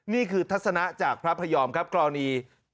นี่คือทัศนะจากพระพระยอมครับกรณี